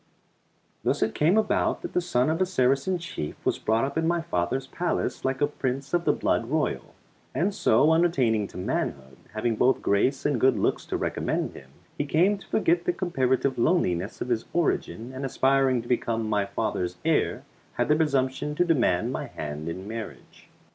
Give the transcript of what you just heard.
Thus it came about that the son of a Saracen chief was brought up in my father's palace like a Prince of the blood royal; and so, on attaining to manhood, having both grace and good looks to recommend him, he came to forget the comparative lowliness of his origin, and aspiring to become my father's heir, had the presumption to demand my hand in marriage.